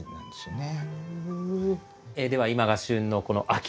では今が旬のこの秋